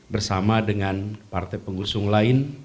bersama dengan partai pengusung lain